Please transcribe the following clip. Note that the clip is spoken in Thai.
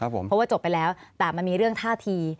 เพราะว่าจบไปแล้วแต่มันมีเรื่องท่าที